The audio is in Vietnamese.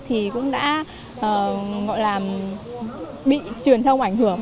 thì cũng đã gọi là bị truyền thông ảnh hưởng